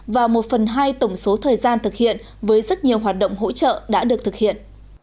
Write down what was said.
và một phần hai tổng số thời gian thực hiện với rất nhiều hoạt động hỗ trợ đã được thực hiện